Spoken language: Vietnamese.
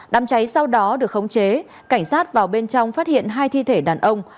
đám cháy sau đó được khống chế cảnh sát vào bên trong phát hiện hai thi thể đàn ông